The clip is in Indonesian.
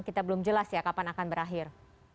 kita belum jelas ya kapan akan berakhir